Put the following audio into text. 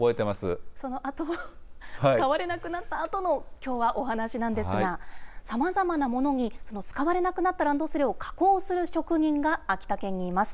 そのあと、使われなくなったあとの、きょうはお話なんですが、さまざまな物に、使われなくなったランドセルを加工する職人が秋田県にいます。